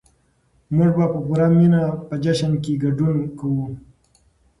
موږ به په پوره مينه په جشن کې ګډون کوو.